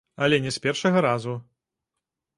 Але не з першага разу.